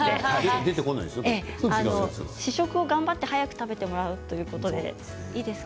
試食を早く食べてもらうということでいいですか？